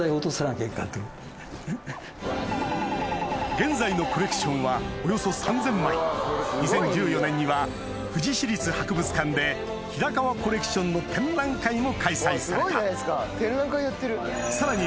現在のコレクションはおよそ３０００枚２０１４年には富士市立博物館で平川コレクションの展覧会も開催されたさらに